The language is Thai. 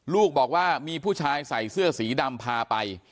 ลูกบอกว่ามีผู้ชายใส่เสื้อสีดำพาไป